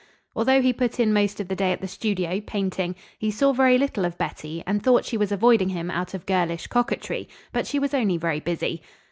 Although he put in most of the day at the studio, painting, he saw very little of Betty and thought she was avoiding him out of girlish coquetry, but she was only very busy.